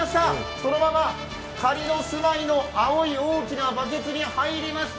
そのまま、仮の住まいの青い大きなバケツに入りました。